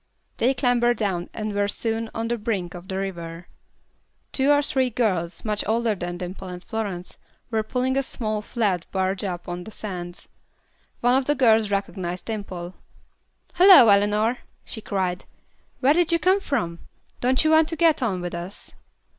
They clambered down and were soon on the brink of the river. Two or three girls, much older than Dimple and Florence, were pulling a small flat barge up on the sands. One of the girls recognized Dimple. "Hallo, Eleanor," she cried. "Where did you come from? Don't you want to get on with us?"